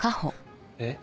えっ？